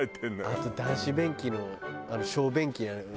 あと男子便器の小便器の。